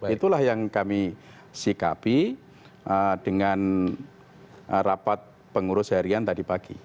itulah yang kami sikapi dengan rapat pengurus harian tadi pagi